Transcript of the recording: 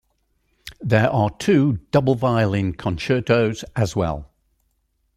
There are two double-violin concertos as well.